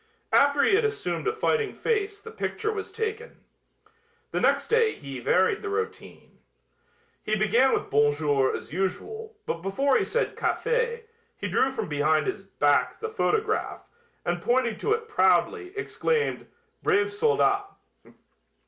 After he had assumed a fighting face the picture was taken. The next day Hy varied the routine. He began with "Bon jour" as usual, but before he said "Café" he drew from behind his back the photograph, and pointing to it proudly, exclaimed, "brave soldat."